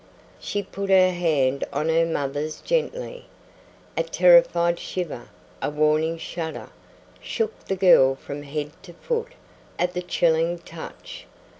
She put her hand on her mother's gently. A terrified shiver, a warning shudder, shook the girl from head to foot at the chilling touch.